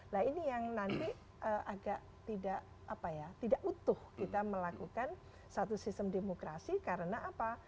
nah ini yang nanti agak tidak apa ya tidak utuh kita melakukan satu sistem demokrasi karena apa